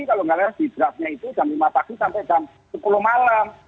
kalau nggak salah di draftnya itu jam lima pagi sampai jam sepuluh malam